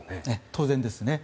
当然です。